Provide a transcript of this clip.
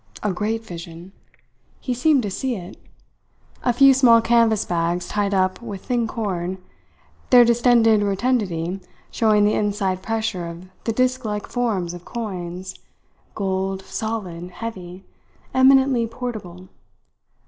A great vision! He seemed to see it. A few small canvas bags tied up with thin cord, their distended rotundity showing the inside pressure of the disk like forms of coins gold, solid, heavy, eminently portable.